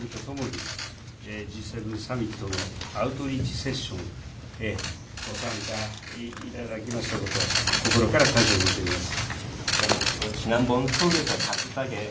改めて心から申し上げるとともに、Ｇ７サミットのアウトリーチセッション、ご参加いただきましたこと、心から感謝申し上げます。